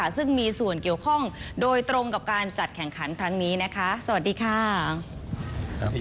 ซึ่งมีส่วนเกี่ยวข้องโดยตรงกับการจัดแข่งขันครั้งนี้